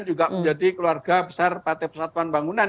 juga menjadi keluarga besar partai persatuan bangunan